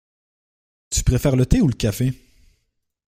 Tu préfères le thé ou le café?